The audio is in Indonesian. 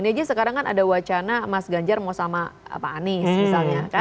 ini aja sekarang kan ada wacana mas ganjar mau sama pak anies misalnya kan